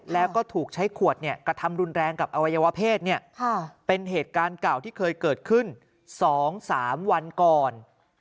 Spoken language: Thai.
แล้วก็ถูกใช้ขวดกระทำรุนแรงกับอวัยวเพศเป็นเหตุการณ์เก่าที่เคยเกิดขึ้น๒๓วันก่อน